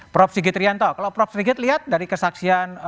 prof sigit rianto kalau prof sigit lihat dari kesaksian